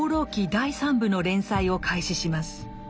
第三部の連載を開始します。